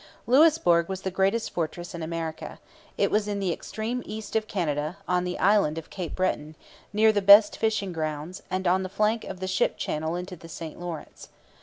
Louisbourg was the greatest fortress in America. It was in the extreme east of Canada, on the island of Cape Breton, near the best fishing grounds, and on the flank of the ship channel into the St Lawrence.